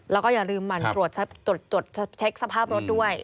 แล้วก็อย่าลืมหมั่นตรวจเช็คสภาพรถด้วย